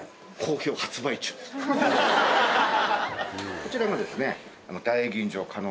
こちらがですね。